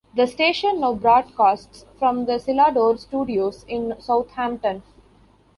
The station now broadcasts from the Celador studios in Southampton.